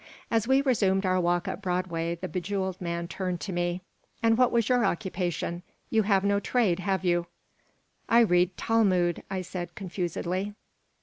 As we resumed our walk up Broadway the bejeweled man turned to me "And what was your occupation? You have no trade, have you?" "I read Talmud," I said, confusedly.